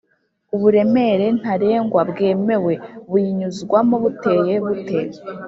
uburemere ntarengwa bwemewe buyinyuzwamo buteye bute